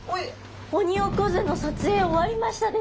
「オニオコゼの撮影終わりました」です。